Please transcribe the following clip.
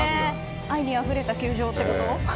愛にあふれた球場ってこと？